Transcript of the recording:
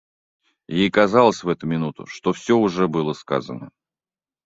Ей казалось в эту минуту, что всё уже было сказано.